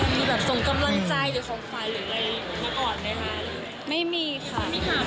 มีแบบส่งกำลังใจหรือความฝันหรืออะไรเหมือนก่อนนะคะ